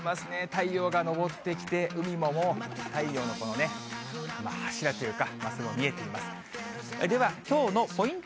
太陽が昇ってきて、海ももう、太陽のこの柱というか、見えています。